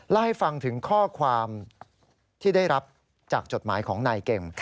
เล่าให้ฟังถึงข้อความที่ได้รับจากจดหมายของนายเก่ง